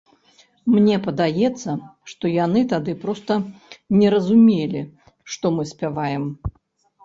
Мне падаецца, што яны тады проста не разумелі, што мы спяваем.